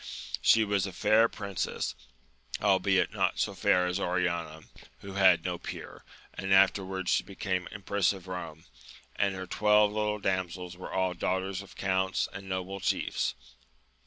She was a fair prin cess, albeit not so fair as Oriana, who had no peer, and afterwards she became empress of Eome, and her twelve little damsels were all daughters of counts and noble chiefs.